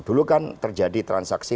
dulu kan terjadi transaksi